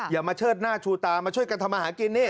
อย่ามาเชิดหน้าชูตามาช่วยกันทำมาหากินนี่